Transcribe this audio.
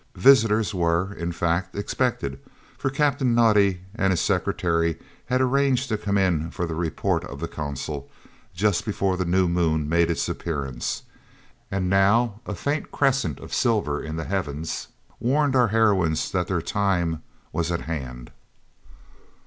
Visitors were, in fact, expected, for Captain Naudé and his secretary had arranged to come in for the report of the Consul, just before the new moon made its appearance, and now a faint crescent of silver in the heavens warned our heroines that their time was at hand.